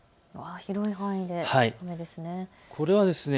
広い範囲で雨ですね。